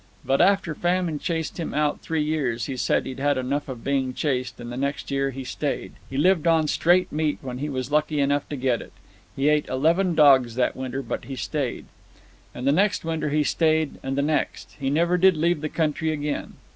But after famine chased him out three years, he said he'd had enough of being chased; and the next year he stayed. He lived on straight meat when he was lucky enough to get it; he ate eleven dogs that winter; but he stayed. And the next winter he stayed, and the next. He never did leave the country again.